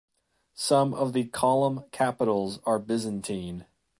Some of the column capitals are Byzantine.